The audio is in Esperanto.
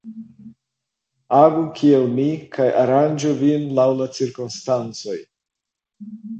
Agu kiel mi, kaj aranĝu vin laŭ la cirkonstancoj.